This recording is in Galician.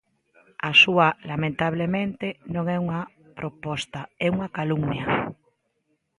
A súa, lamentablemente, non é unha proposta, é unha calumnia.